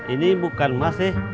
ini bukan emas sih